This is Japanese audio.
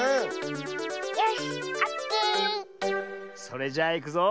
それじゃあいくぞ。